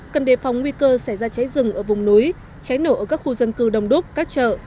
cần đề phòng nguy cơ xảy ra cháy rừng ở vùng núi cháy nổ ở các khu dân cư đông đúc các chợ